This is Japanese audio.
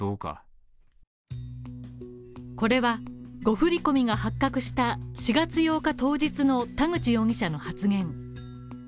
これは誤振込みが発覚した４月８日当日の田口容疑者の発言。